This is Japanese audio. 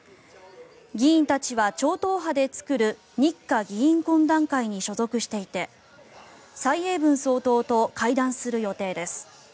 議員たちは超党派で作る日華議員懇談会に所属していて蔡英文総統と会談する予定です。